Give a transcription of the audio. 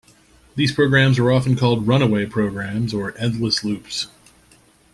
These programs were often called run-away programs or endless loops.